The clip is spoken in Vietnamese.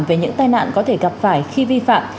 về những tai nạn có thể gặp phải khi vi phạm